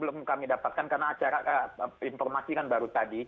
belum kami dapatkan karena acara informasi kan baru tadi